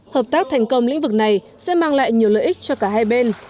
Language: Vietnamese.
hợp tác thành công lĩnh vực này sẽ mang lại nhiều lợi ích cho cả hai bên